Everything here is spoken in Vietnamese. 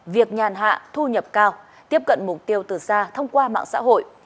việc nhàn hạ thu nhập cao tiếp cận mục tiêu từ xa thông qua mạng xã hội